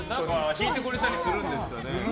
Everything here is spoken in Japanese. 弾いてくれたりするんですかね。